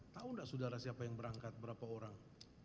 tahu nggak saudara siapa yang berangkat berapa orang